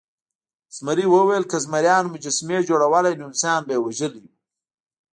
زمري وویل که زمریانو مجسمې جوړولی نو انسان به یې وژلی و.